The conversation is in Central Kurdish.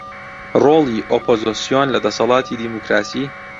ڕۆڵی ئۆپۆزسیۆن لە دەسەڵاتی دیموکراسی